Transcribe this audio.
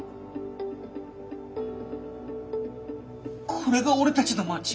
これが俺たちの町！？